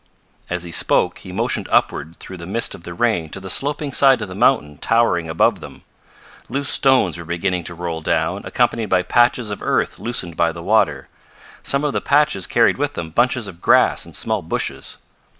As he spoke he motioned upward through the mist of the rain to the sloping side of the mountain towering above them. Loose stones were beginning to roll down, accompanied by patches of earth loosened by the water. Some of the patches carried with them bunches of grass and small bushes.